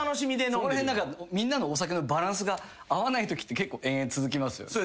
そこらへん何かみんなのお酒のバランスが合わないときって結構延々続きますよね。